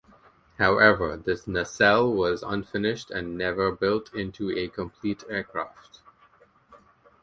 However, this nacelle was unfinished and never built into a complete aircraft.